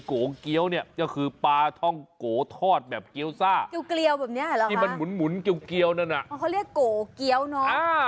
ก๋อเกี๊ยวคือปลาท่องโกทอดแบบเกี๊ยวซ่ามันหมุนเกี๊ยวเขาเรียกโกเกี๊ยวเนอะ